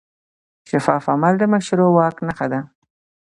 شفاف عمل د مشروع واک نښه ده.